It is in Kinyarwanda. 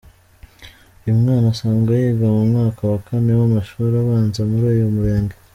Uyu mwana asanzwe yiga mu mwaka wa kane w’amashuri abanza muri uyu murenge.